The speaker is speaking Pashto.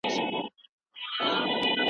دولت د بيکارۍ د ختمولو لپاره نوي تګلارې جوړولې.